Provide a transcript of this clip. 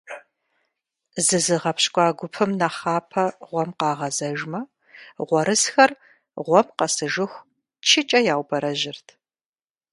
ЗызгъэпщкӀуа гупым нэхъапэ гъуэм къагъэзэжмэ, гъуэрысхэр гъуэм къэсыжыху чыкӀэ яубэрэжьырт.